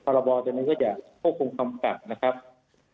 เจ้าหน้าที่การประวัติธรรมพยาบาลนะครับซึ่งปรบจนกว่าจะควบคุมคำกับนะครับ